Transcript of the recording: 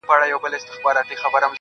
نوك د زنده گۍ مو لكه ستوري چي سركښه سي~